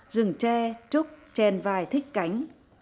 rừng tre trúc chèn vài thích cánh